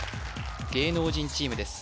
芸能人チームです